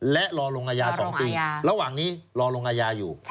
และรอลงอาญา๒ปีระหว่างนี้รอลงอาญาอยู่